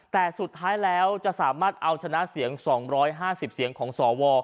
แต่สุดท้ายแล้วจะสามารถเอาชนะเสียง๒๕๐เสียงของสว